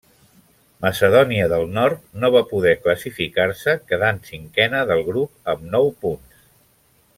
Macedònia del Nord no va poder classificar-se, quedant cinquena del grup amb nou punts.